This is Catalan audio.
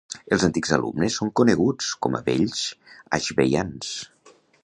Els antics alumnes són coneguts com a Vells Ashbeians.